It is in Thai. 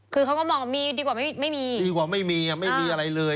คือเขาก็มองว่ามีดีกว่าไม่มีดีกว่าไม่มีอ่ะไม่มีไม่มีอะไรเลย